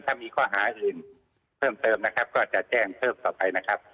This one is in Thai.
ถ้ามีข้อหาอื่นเพิ่มเติมนะครับก็จะแจ้งเพิ่มต่อไปนะครับ